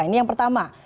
ini yang pertama